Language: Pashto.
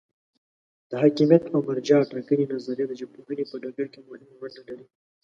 د حاکمیت او مرجع ټاکنې نظریه د ژبپوهنې په ډګر کې مهمه ونډه لري.